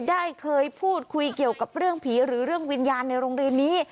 ได้เคยพูดคุยเกี่ยวกับเรื่องผีหรือเรื่องวิญญาณในโรงเรียนนี้